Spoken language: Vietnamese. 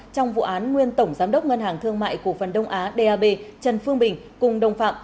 trong vụ án nguyên tổng giám đốc ngân hàng thương mại của phần đông á d a b trần phương bình cùng đồng phạm